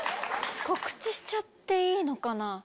告知しちゃっていいのかな？